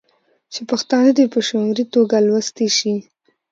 چې پښتانه دې په شعوري ټوګه لوستي شي.